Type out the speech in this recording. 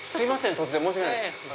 突然申し訳ないです。